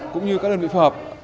cũng như các đơn vị phù hợp